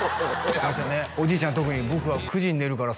親もおじいちゃんは特に「僕は９時に寝るから」